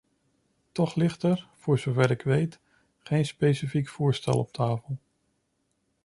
Toch ligt er, voor zover ik weet, geen specifiek voorstel op tafel.